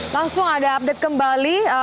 langsung ada update kembali